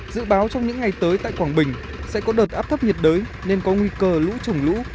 dự báo trong những ngày tới tại quảng bình sẽ có đợt áp thấp nhiệt đới nên có nguy cơ lũ trồng lũ